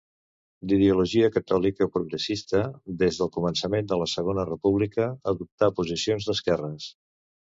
D'ideologia catòlica progressista, des del començament de la Segona República adoptà posicions d'esquerres.